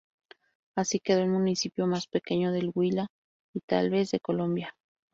Así quedó el municipio más pequeño del Huila y tal vez de Colombia.